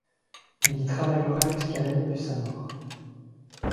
Il y travaillera jusqu'à l'année de sa mort.